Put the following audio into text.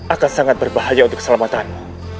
akan sangat berbahaya untuk keselamatanmu